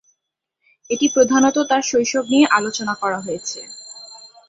এটি প্রধানত তার শৈশব নিয়ে আলোচনা করা হয়েছে।